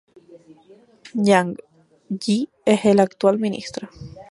Wang Yi es el actual ministro.